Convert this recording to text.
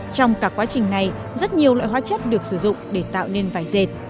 trong cả quá trình này rất nhiều loại hóa chất được sử dụng để tạo nên vải dệt